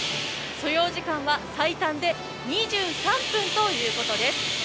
所要時間は最短で２３分ということです。